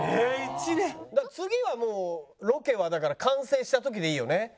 次はもうロケはだから完成した時でいいよね。